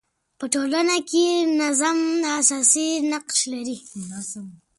په ټولنه کي نظم اساسي نقش لري.